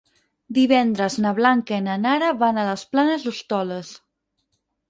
Divendres na Blanca i na Nara van a les Planes d'Hostoles.